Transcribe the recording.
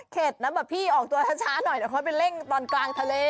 นะแบบพี่ออกตัวช้าหน่อยเดี๋ยวค่อยไปเร่งตอนกลางทะเล